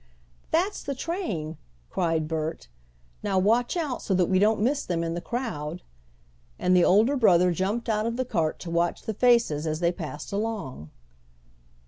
"That's the train!" cried Bert. "Now watch out so that we don't miss them in the crowd," and the older brother jumped out of the cart to watch the faces as they passed along.